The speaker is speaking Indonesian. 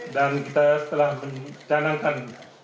dan kita telah mencanangkan